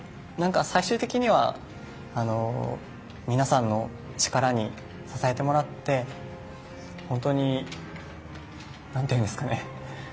最終的には皆さんの力に支えてもらって本当に何ていうんですかね